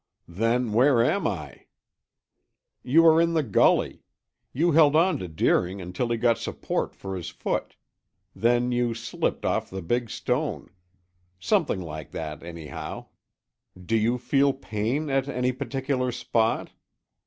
"Then where am I?" "You are in the gully. You held on to Deering until he got support for his foot. Then you slipped off the big stone. Something like that, anyhow. Do you feel pain at any particular spot?"